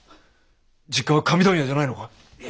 実家は紙問屋じゃないのか？